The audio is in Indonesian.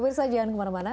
pemirsa jangan kemana mana